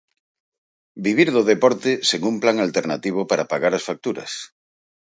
Vivir do deporte, sen un plan alternativo para pagar as facturas.